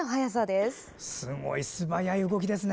すごい！素早い動きですね。